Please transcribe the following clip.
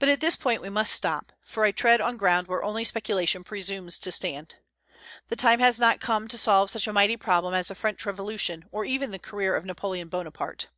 But at this point we must stop, for I tread on ground where only speculation presumes to stand. The time has not come to solve such a mighty problem as the French Revolution, or even the career of Napoleon Bonaparte.